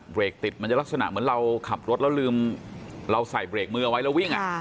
ติดมันจะลักษณะเหมือนเราขับรถแล้วลืมเราใส่เบรกมือเอาไว้แล้ววิ่ง